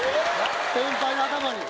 先輩の頭に。